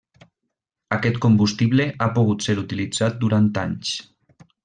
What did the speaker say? Aquest combustible ha pogut ser utilitzat durant anys.